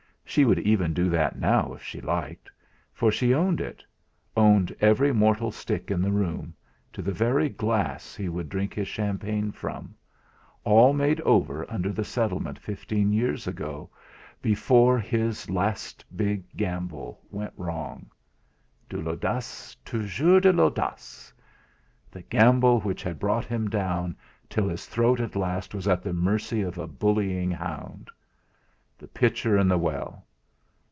She could even do that now if she liked for she owned it, owned every mortal stick in the room, to the very glass he would drink his champagne from; all made over under the settlement fifteen years ago, before his last big gamble went wrong. "De l'audace, toujours de l'audace!" The gamble which had brought him down till his throat at last was at the mercy of a bullying hound. The pitcher and the well!